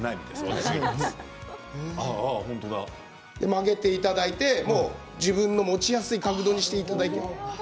曲げていただいて自分の持ちやすい角度にしていただいて。